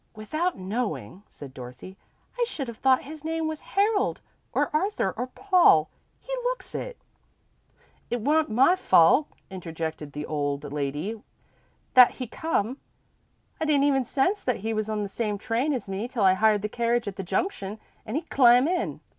"Without knowing," said Dorothy, "I should have thought his name was Harold or Arthur or Paul. He looks it." "It wa'n't my fault," interjected the old lady, "that he come. I didn't even sense that he was on the same train as me till I hired the carriage at the junction an' he clim' in.